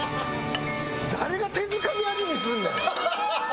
誰が手づかみ味見すんねん！